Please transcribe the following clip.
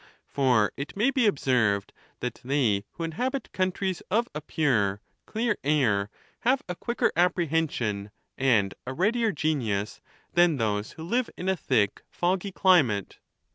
XVI. For it may be observed that they who inhabit countries of a pure, clear air have a quicker apprehension and a readier genius than those who live in a thick, foggy climate.